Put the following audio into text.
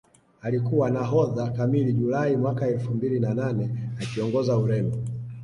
Alikuwa nahodha kamili Julai mwaka elfu mbili na nane akiongoza Ureno